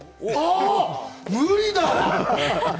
あ、無理だ！